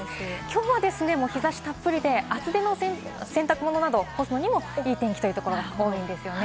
今日は日差したっぷりで明日の洗濯物などを干すにもいい天気といったところです。